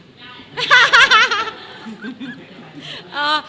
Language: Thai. ได้